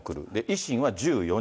維新は１４人。